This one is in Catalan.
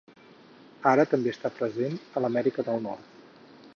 Ara també està present a l'Amèrica del Nord.